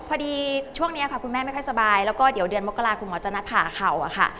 พอดีช่วงนี้ค่ะคุณแม่ไม่ค่อยสบายแล้วก็เดี๋ยวเดือนมกราคุณหมอจะนัดผ่าเข่าค่ะ